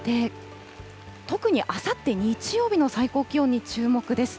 特にあさって日曜日の最高気温に注目です。